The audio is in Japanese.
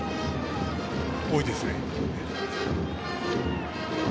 多いですね。